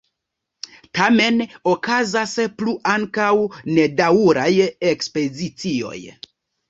Tamen okazas plu ankaŭ nedaŭraj ekspozicioj.